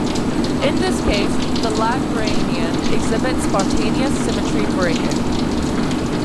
In this case, the Lagrangian exhibits spontaneous symmetry breaking.